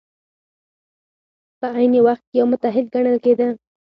په عین وخت کې یو متحد ګڼل کېده.